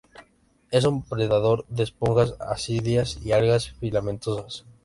Es un predador de esponjas, ascidias y algas filamentosas.